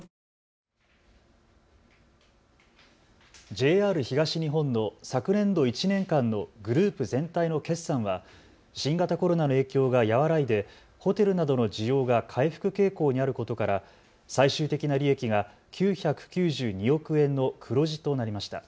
ＪＲ東日本の昨年度１年間のグループ全体の決算は新型コロナの影響が和らいでホテルなどの需要が回復傾向にあることから最終的な利益が９９２億円の黒字となりました。